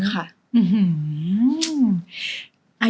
แก่มาก